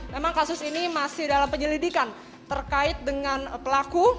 memang kasus ini masih dalam penyelidikan terkait dengan pelaku